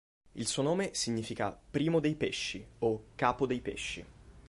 Il suo nome significa "Primo dei pesci" o "Capo dei pesci".